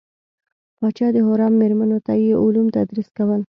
پاچا د حرم میرمنو ته یې علوم تدریس کول.